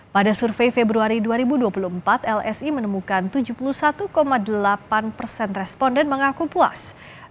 pada survei februari dua ribu dua puluh empat lsi menemukan tujuh puluh satu delapan persen responden mengaku puas